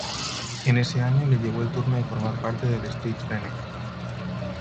En ese año le llegó el turno de formar parte del Stade Rennais.